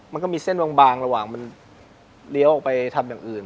มันก็มีเส้นบางระหว่างมันเลี้ยวออกไปทำอย่างอื่น